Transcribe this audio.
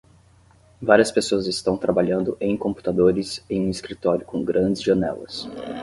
Várias pessoas estão trabalhando em computadores em um escritório com grandes janelas.